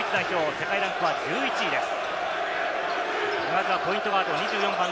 世界ランクは１１位です。